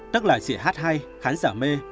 tức là sĩ hát hay khán giả mê